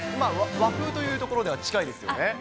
和風というところでは近いですよね。